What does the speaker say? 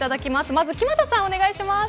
まず木全さん、お願いします。